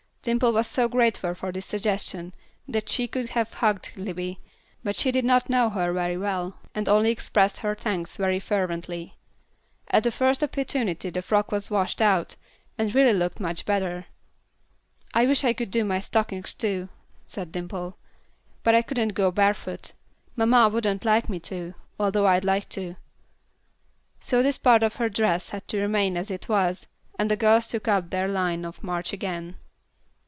Dimple was so grateful for this suggestion that she could have hugged Libbie; but she did not know her very well, and only expressed her thanks very fervently. At the first opportunity the frock was washed out, and really looked much better. "I wish I could do my stockings, too," said Dimple, "but I couldn't go barefoot. Mamma wouldn't like me to, although I'd like to." So this part of her dress had to remain as it was, and the girls took up their line of march again.